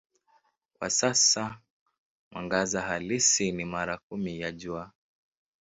Kwa sasa mwangaza halisi ni mara kumi ya Jua.